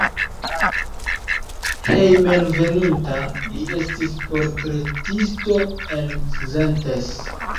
Hejmenveninta li estis portretisto en Szentes.